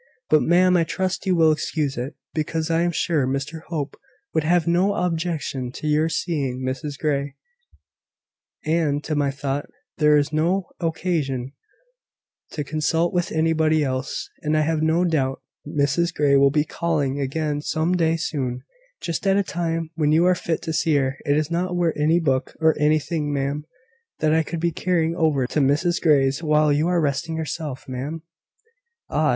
But, ma'am, I trust you will excuse it, because I am sure Mr Hope would have no objection to your seeing Mrs Grey; and, to my thought, there is no occasion to consult with anybody else; and I have no doubt Mrs Grey will be calling again some day soon, just at a time when you are fit to see her. Is not there any book, or anything, ma'am, that I could be carrying over to Mrs Grey's while you are resting yourself, ma'am?" "Ah!